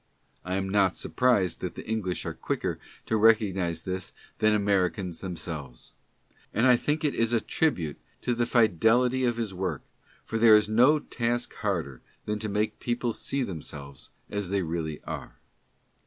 I am not surprised that the Eng lish are quicker to recognize this than Americans themselves, and I think it is a tribute to the fidelity of his work, for there is no task harder than to make people see themselves as they really are.